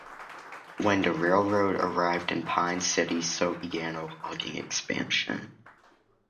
When the railroad arrived in Pine City so began a logging expansion.